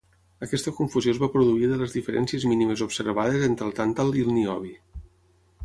Aquesta confusió es va produir de les diferències mínimes observades entre el tàntal i el niobi.